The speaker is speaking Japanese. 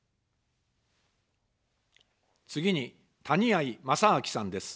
次に、谷あい正明さんです。